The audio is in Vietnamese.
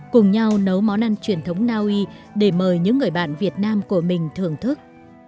cùng nhau nấu món ăn truyền thống naui để mời những người bạn việt nam của mình thưởng thức